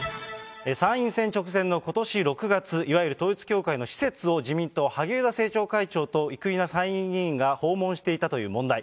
参院選直前のことし６月、いわゆる統一教会の施設を自民党、萩生田政調会長と生稲参院議員が訪問していたという問題。